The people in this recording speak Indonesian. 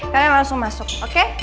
kalian langsung masuk oke